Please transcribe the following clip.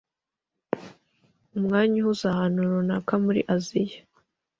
Umwanya uhuze ahantu runaka muri asia